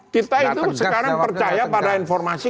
kita itu sekarang percaya pada informasi